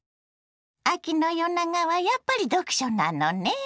秋の夜長はやっぱり読書なのね。